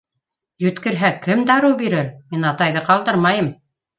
Йүткерһә, кем дарыу бирер? Мин атайҙы ҡалдырмайым.